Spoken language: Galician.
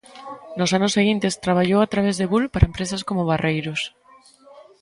Nos anos seguintes traballou a través de Bull para empresas como Barreiros.